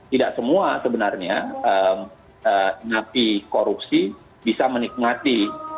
tidak semua sebenarnya napi korupsi bisa menikmati